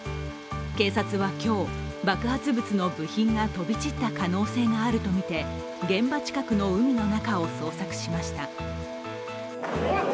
警察は今日、爆発物の部品が飛び散った可能性があるとみて現場近くの海の中を捜索しました。